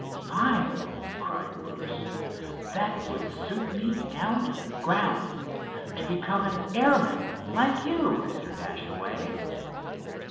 "Fine!" cried Bruce. "That would suit me down to the ground—to become an airman like you, Mr. Dashaway."